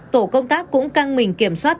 tổ công tác cũng căng mình kiểm soát